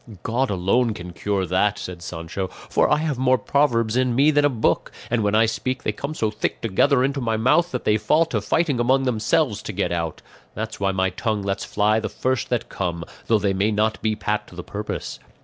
"God alone can cure that," said Sancho; "for I have more proverbs in me than a book, and when I speak they come so thick together into my mouth that they fall to fighting among themselves to get out; that's why my tongue lets fly the first that come, though they may not be pat to the purpose.